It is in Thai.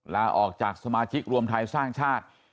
ลาออกจากสมาชิกรวมไทยสร้างชาติ